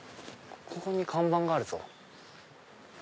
ここに看板があるぞ。